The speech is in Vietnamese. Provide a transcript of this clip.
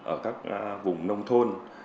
ở các vùng nông thôn